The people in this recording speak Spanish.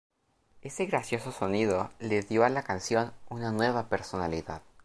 Ese gracioso sonido le dio a la canción una nueva personalidad.